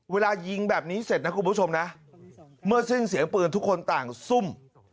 เวลายิงแบบนี้เสร็จนะคุณผู้ชมนะเมื่อสิ้นเสียงปืนทุกคนต่างซุ่ม